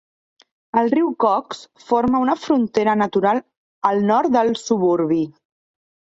El riu Cooks forma una frontera natural al nord del suburbi.